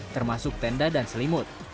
termasuk tenda dan selimut